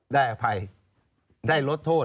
อภัยได้ลดโทษ